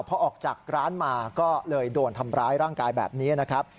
พอออกจากร้านมาก็เลยโดนทำร้ายร่างกายแบบนี้นะครับ